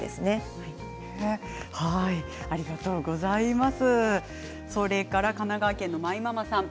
ありがとうございます。